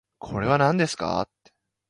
これはなんですか